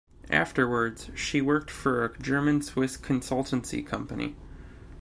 Afterwards she worked for a German-Swiss consultancy company.